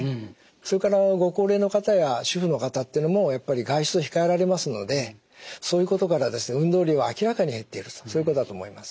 それからご高齢の方や主婦の方っていうのもやっぱり外出を控えられますのでそういうことから運動量は明らかに減っているとそういうことだと思います。